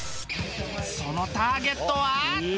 そのターゲットは